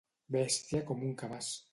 Bèstia com un cabàs.